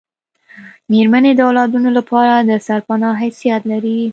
میرمنې د اولادونو لپاره دسرپنا حیثیت لري